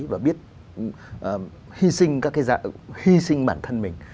và biết hy sinh bản thân mình